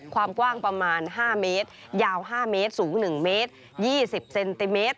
ความกว้างประมาณ๕เมตรยาว๕เมตรสูง๑เมตร๒๐เซนติเมตร